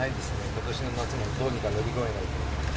ことしの夏もどうにか乗り越えないと。